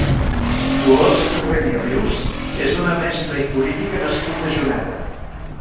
Dolors Torrent i Rius és una mestra i política nascuda a Juneda.